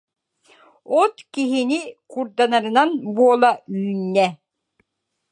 От киһини курданарынан буола үүннэ.